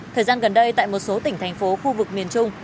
thời gian gần đây tại một số tỉnh thành phố khu vực miền trung